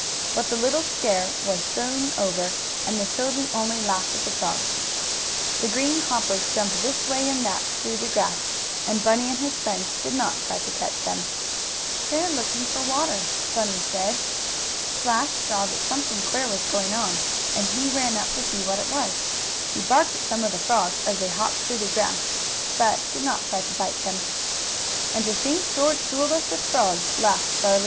But the little scare was soon over, and the children only laughed at the frogs. The green hoppers jumped this way and that, through the grass, and Bunny and his friends did not try to catch them. "They're looking for water," Bunny said. Splash saw that something queer was going on, and he ran up to see what it was. He barked at some of the frogs, as they hopped through the grass, but did not try to bite them. "And to think George fooled us with frogs," laughed Charlie.